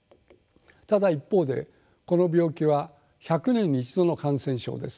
ただ一方でこの病気は１００年に一度の感染症です。